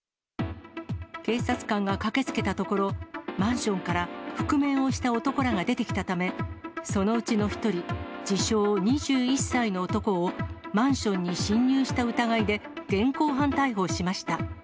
警察官が駆けつけたところ、マンションから覆面をした男らが出てきたため、そのうちの一人、自称２１歳の男をマンションに侵入した疑いで現行犯逮捕しました。